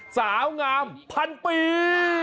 สาวงามพันปี